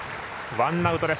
ワンアウトです。